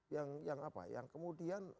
yang apa yang kemudian